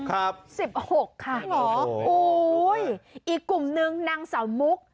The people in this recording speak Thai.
ครับสิบหกค่ะเหรอโอ้ยอีกกลุ่มนึงนางเสามุก